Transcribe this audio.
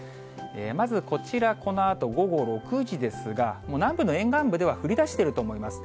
まずこちら、このあと午後６時ですが、南部の沿岸部では降りだしていると思います。